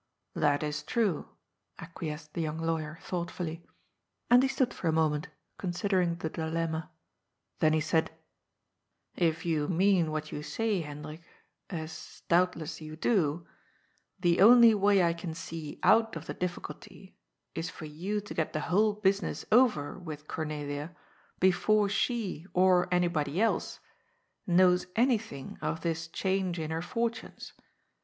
" That is true," acquiesced the young lawyer thought fully. And he stood for a moment, considering the dilemma. Then he said :*' If you mean what you say, Hendrik, as doubtless you do, the only way I can see out of the difficulty is for you to get the whole business over with Cornelia be fore she, or anybody else, knows anjrthing of this change in her fortunes.